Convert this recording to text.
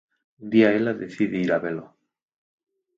Un día ela decide ir a velo.